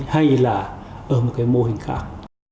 hay là ở một cái mô hình khác